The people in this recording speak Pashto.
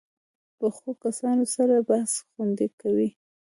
پخو کسانو سره بحث خوند کوي